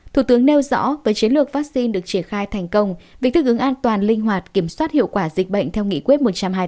thủ tướng nêu rõ với chiến lược vaccine được triển khai thành công việc thư hướng an toàn linh hoạt kiểm soát hiệu quả dịch bệnh theo nghị quyết một trăm hai mươi tám